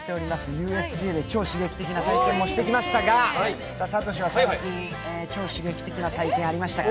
ＵＳＪで超刺激的な体験もしてきましたが慧は最近、超刺激的な体験ありましたか？